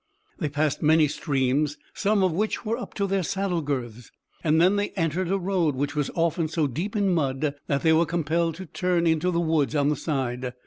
They passed many streams, some of which were up to their saddle girths, and then they entered a road which was often so deep in mud that they were compelled to turn into the woods on the side.